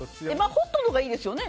ホットのほうがいいですよね